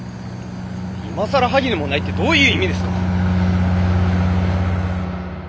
「今更萩でもない」ってどういう意味ですか？